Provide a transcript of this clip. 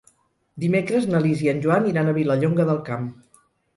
Dimecres na Lis i en Joan iran a Vilallonga del Camp.